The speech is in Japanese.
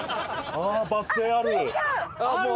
あっバス停ある。